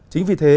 chính vì thế